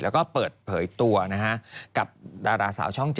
แล้วก็เปิดเผยตัวนะฮะกับดาราสาวช่อง๗